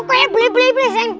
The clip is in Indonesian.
pokoknya beli beli beli